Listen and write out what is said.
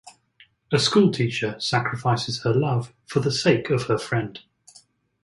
A school teacher sacrifices her love for the sake of her friend.